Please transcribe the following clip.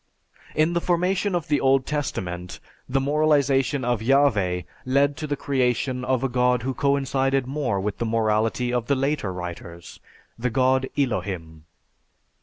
"_) In the formation of the Old Testament, the moralization of Yahveh led to the creation of a god who coincided more with the morality of the later writers, the God Elohim.